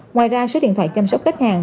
ngoài ra số điện thoại chăm sóc khách hàng